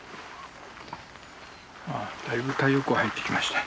ああだいぶ太陽光入ってきましたね。